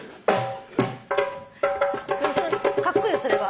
カッコイイよそれは。